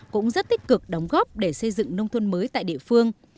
cũng rất tích cực đóng góp để xây dựng nông thôn mới tại địa phương